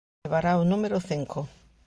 Levará o numero cinco.